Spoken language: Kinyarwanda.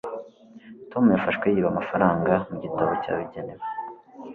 tom yafashwe yiba amafaranga mu gitabo cyabigenewe